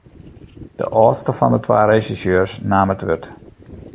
De âldste fan de twa resjersjeurs naam it wurd.